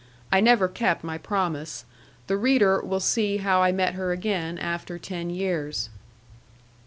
I never kept my promise. The reader will see how I met her again after ten years.